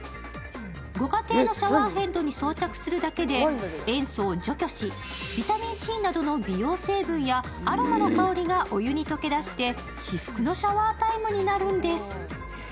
ご家庭のシャワーヘッドに装着するだけで、塩素を除去し、ビタミンＣなどの成分やアロマの香りがお湯に溶け出して至福のシャワータイムになるんです。